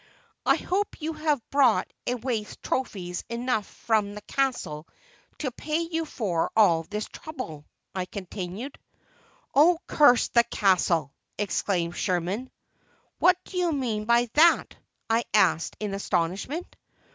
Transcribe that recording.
"I hope you have brought away trophies enough from the castle to pay you for all this trouble," I continued. "Oh, curse the castle!" exclaimed Sherman. "What do you mean by that?" I asked, in astonishment.